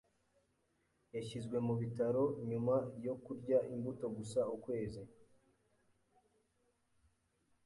Yashyizwe mu bitaro nyuma yo kurya imbuto gusa ukwezi.